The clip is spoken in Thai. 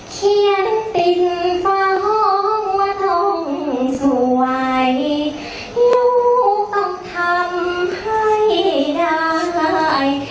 เขียนติดฝังวะทงสวยลูกต้องทำให้ได้